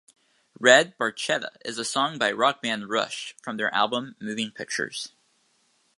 "Red Barchetta" is a song by rock band Rush from their album "Moving Pictures".